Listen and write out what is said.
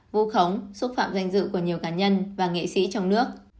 vu khống xúc phạm danh dự của nhiều cá nhân và nghệ sĩ trong nước